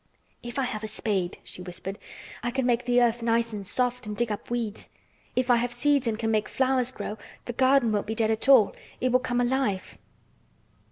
"If I have a spade," she whispered, "I can make the earth nice and soft and dig up weeds. If I have seeds and can make flowers grow the garden won't be dead at all—it will come alive."